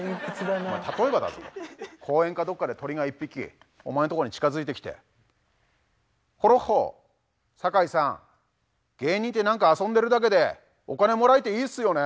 例えばだぞ公園かどっかで鳥が１匹お前のとこに近づいてきて「ホロッホー。酒井さん芸人って何か遊んでるだけでお金もらえていいっすよね。